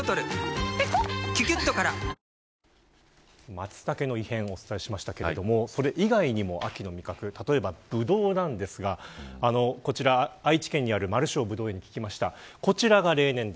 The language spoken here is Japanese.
マツタケの異変をお伝えしましたけれどもそれ以外にも秋の味覚例えばブドウなんですがこちら、愛知県にあるマルショー葡萄園に聞きました。